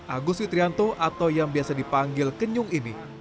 agus witrianto atau yang biasa dipanggil kenyung ini